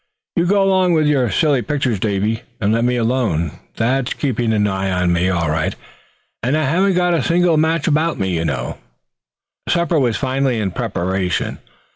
You go along with your silly pictures, Davy, and let me alone. Thad's keeping an eye on me, all right. And I haven't got a single match about me, you know." Supper was finally in preparation.